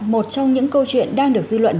một trong những câu chuyện đang được dư luận